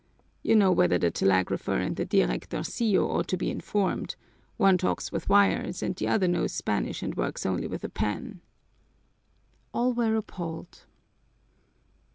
You know whether the telegrapher and the directorcillo ought to be informed; one talks with wires and the other knows Spanish and works only with a pen." All were appalled.